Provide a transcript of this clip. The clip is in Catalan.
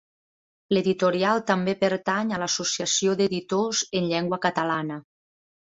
L'editorial també pertany a l'Associació d'Editors en Llengua Catalana.